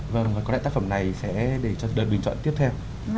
vâng và có lại tác phẩm này sẽ để cho đợt bình chọn tiếp theo